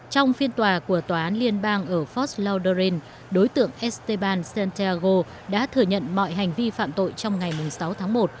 trong phiên tòa của tòa án liên bang ở fort lauderdale đối tượng esteban santiago đã thừa nhận mọi hành vi phạm tội trong ngày sáu tháng một